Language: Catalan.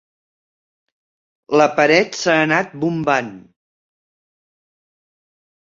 La paret s'ha anat bombant.